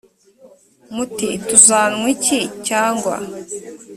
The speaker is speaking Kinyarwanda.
muti tuzanywa iki cyangwa